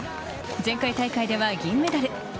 前回大会では銀メダル。